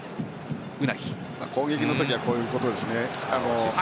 攻撃のときはこういうことですね。